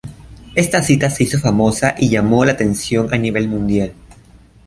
Esta cita se hizo famosa y llamó la atención a nivel mundial.